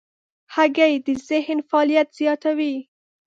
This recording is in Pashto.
هګۍ د ذهن فعالیت زیاتوي.